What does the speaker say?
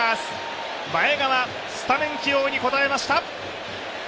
前川、スタメン起用に応えました。